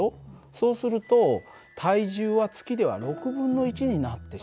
そうすると体重は月では６分の１になってしまう。